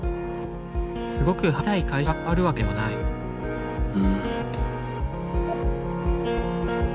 すごく入りたい会社があるわけでもないうん。